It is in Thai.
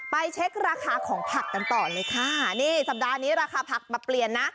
เช็คราคาของผักกันต่อเลยค่ะนี่สัปดาห์นี้ราคาผักมาเปลี่ยนนะ